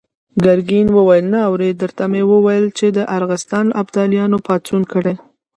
ګرګين وويل: نه اورې! درته ومې ويل چې د ارغستان ابداليانو پاڅون کړی.